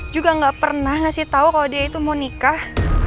juga nggak pernah ngasih tau kalau dia itu mau nikah